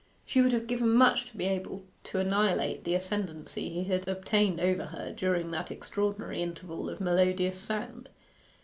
She would have given much to be able to annihilate the ascendency he had obtained over her during that extraordinary interval of melodious sound.